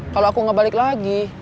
kalau aku gak balik lagi